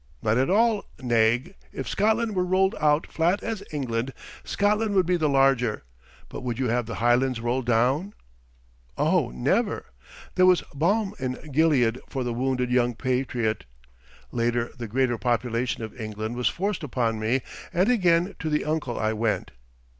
"Not at all, Naig; if Scotland were rolled out flat as England, Scotland would be the larger, but would you have the Highlands rolled down?" Oh, never! There was balm in Gilead for the wounded young patriot. Later the greater population of England was forced upon me, and again to the uncle I went.